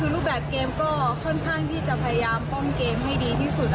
คือรูปแบบเกมก็ค่อนข้างที่จะพยายามป้องเกมให้ดีที่สุด